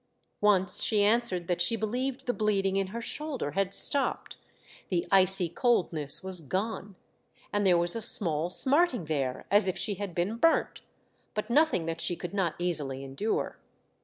Once she answered that she beHeved the bleeding in her shoulder had stopped ; the icy coldness was gone, and there was a small smarting there as if she had been burnt, but nothing that she could not easily endure.